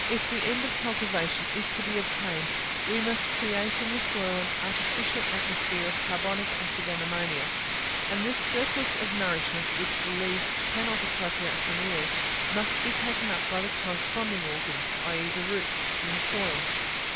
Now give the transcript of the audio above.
If the end of cultivation is to be obtained, we must create in the soil an artificial atmosphere of carbonic acid and ammonia; and this surplus of nourishment, which the leaves cannot appropriate from the air, must be taken up by the corresponding organs, i.e. the roots, from the soil.